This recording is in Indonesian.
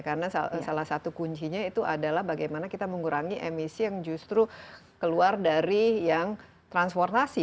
karena salah satu kuncinya itu adalah bagaimana kita mengurangi emisi yang justru keluar dari yang transportasi